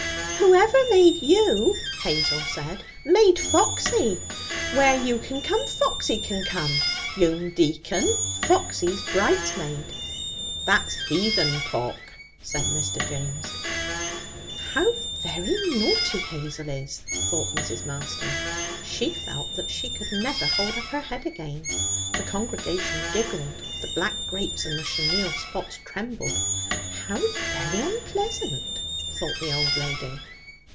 'Whoever made you,' Hazel said, 'made Foxy. Where you can come, Foxy can come. You'm deacon, Foxy's bridesmaid!' 'That's heathen talk,' said Mr. James. 'How very naughty Hazel is!' thought poor Mrs. Marston. She felt that she could never hold up her head again. The congregation giggled. The black grapes and the chenille spots trembled. 'How very unpleasant!' thought the old lady.